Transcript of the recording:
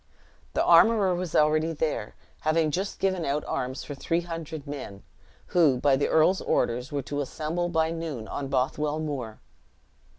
The armorer was already there, having just given out arms for three hundred men, who, by the earl's orders were to assemble by noon on Bothwell Moor.